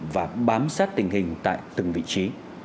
và bám sát tình hình tại từng vị trí